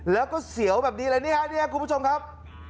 แล้วก็เสียวแบบนี้คุณผู้ชมครับ